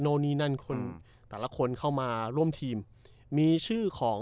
นี่นั่นคนแต่ละคนเข้ามาร่วมทีมมีชื่อของ